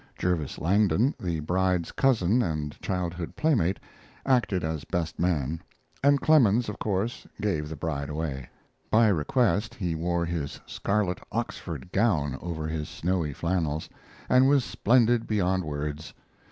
Jervis Langdon, the bride's cousin and childhood playmate, acted as best man, and Clemens, of course, gave the bride away. By request he wore his scarlet Oxford gown over his snowy flannels, and was splendid beyond words.